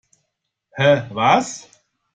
Hä, was?